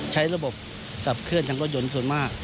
ใช้ระบบทางทางรถยนต์ส่วนมาก